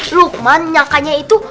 lukman nyakanya itu